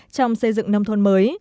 trong xây dựng nông thôn mới